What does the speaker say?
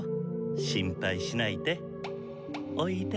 心配しないでおいで。